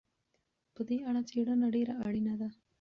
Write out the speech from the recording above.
په دې اړه څېړنه ډېره اړينه ده.